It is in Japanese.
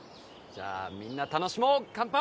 じゃあみんな楽しもう乾杯！